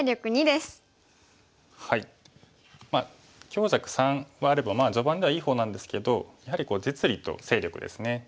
強弱３あれば序盤ではいい方なんですけどやはり実利と勢力ですね。